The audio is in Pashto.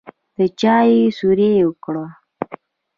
د چايو سور يې وکړ.